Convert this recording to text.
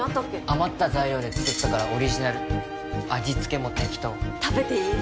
余った材料で作ったからオリジナル味付けも適当食べていい？